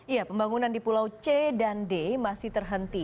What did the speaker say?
ya pembangunan di pulau c dan d masih terhenti